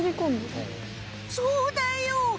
そうだよ！